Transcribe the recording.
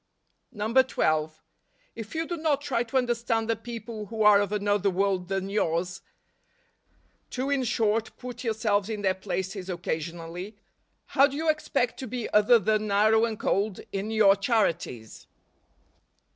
128 NOVEMBER. 12. "If you do not try to understand the people who are of another world than yours — to, in short, i put yourselves in their places,' occasionally — how do you expect to be other than narrow and cold in j r our charities